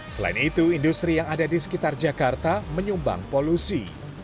selain itu industri yang ada di sekitar jakarta menyumbang polusi